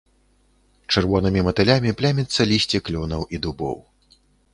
Чырвонымі матылямі пляміцца лісце клёнаў і дубоў.